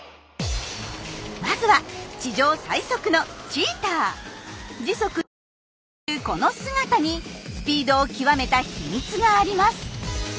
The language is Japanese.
まずは地上最速の時速１００ｋｍで走るこの姿にスピードを極めた秘密があります。